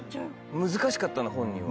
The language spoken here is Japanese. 難しかったんだ本人は。